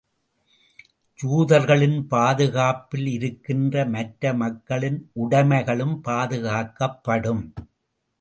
யூதர்களின் பாதுகாப்பில் இருக்கின்ற மற்ற மக்களின் உடைமைகளும் பாதுகாக்கப்படும்.